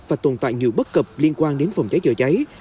và tồn tại nhiều bất cập liên quan đến phòng cháy chữa cháy